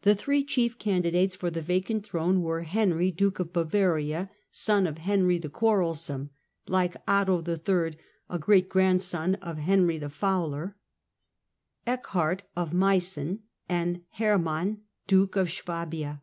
The three chief candi dates for the vacant throne were Henry, Duke of Bavaria, son of Henry the Quarrelsome, like Otto III. a great grandson of Henry the Fowler (see Table I.), Eckhard of Meissen, and Hermann, Duke of Swabia.